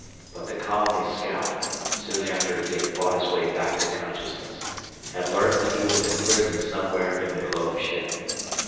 But the colony scout, soon after he had fought his way back to consciousness, had learned that he was imprisoned somewhere in the globe ship.